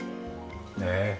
ねえ。